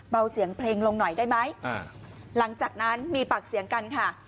เสียงเพลงลงหน่อยได้ไหมหลังจากนั้นมีปากเสียงกันค่ะ